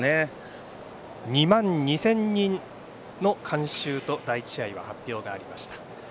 ２万２０００人の観衆と第１試合、発表がありました。